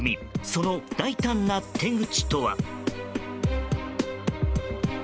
その大胆な手口とは？